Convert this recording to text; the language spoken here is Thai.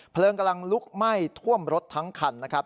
เพลิงกำลังลุกไหม้ท่วมรถทั้งคันนะครับ